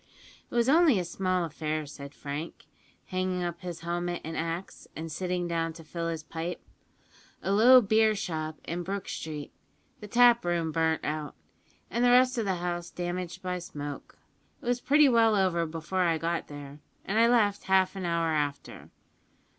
"It was only a small affair," said Frank, hanging up his helmet and axe, and sitting down to fill his pipe; "a low beer shop in Brook Street; the taproom burnt out, and the rest of the house damaged by smoke. It was pretty well over before I got there, and I left half an hour after.